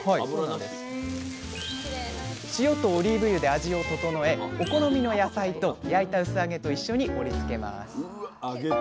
塩とオリーブ油で味を調えお好みの野菜と焼いたうす揚げと一緒に盛りつけます。